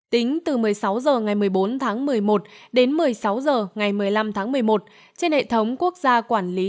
tính từ một mươi sáu h ngày một mươi bốn tháng một mươi một đến một mươi sáu h ngày một mươi năm tháng một mươi một trên hệ thống quốc gia quản lý